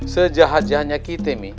sejahat jahatnya kita mi